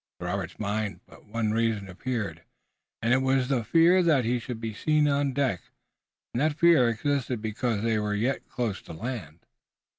To Robert's mind but one reason appeared, and it was the fear that he should be seen on deck. And that fear existed because they were yet close to land.